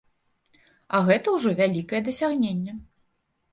А гэта ўжо вялікае дасягненне.